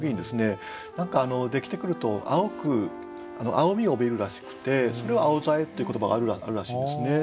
何かできてくると青みを帯びるらしくてそれを「青冴え」っていう言葉があるらしいんですね。